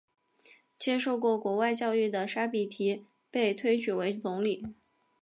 接受过国外教育的沙比提被推举为总理。